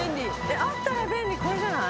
あったら便利これじゃない？